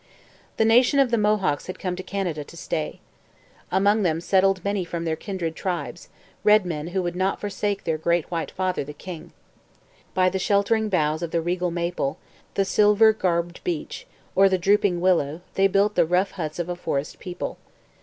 The nation of the Mohawks had come to Canada to stay. Among them settled many from their kindred tribes, red men who would not forsake their Great White Father the King. By the sheltering boughs of the regal maple, the silver garbed beech, or the drooping willow they built the rough huts of a forest people.